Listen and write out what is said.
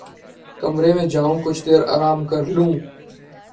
کمرے میں جاؤ کچھ دیر آرام کر لوں لو